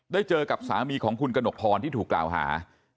เจอกับสามีของคุณกระหนกพรที่ถูกกล่าวหา